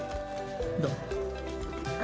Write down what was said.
どう？